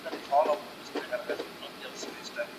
کله چې ښځې پوهاوی ولري، کورنۍ پیاوړې شي.